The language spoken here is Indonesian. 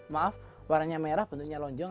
maaf warnanya merah bentuknya lonjong